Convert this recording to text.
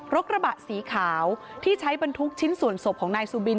กระบะสีขาวที่ใช้บรรทุกชิ้นส่วนศพของนายซูบิน